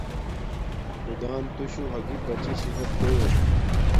خدان توشو ھاگی پاچی صحت دو